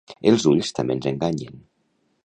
Els ulls també ens enganyen.